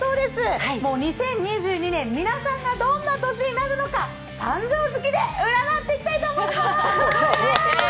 ２０２２年、皆さんがどんな年になるのか誕生月で占っていきたいと思いまーす。